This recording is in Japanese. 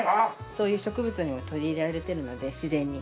そういう植物にも取り入れられてるので自然に。